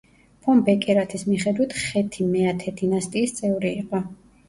ფონ ბეკერათის მიხედვით ხეთი მეათე დინასტიის წევრი იყო.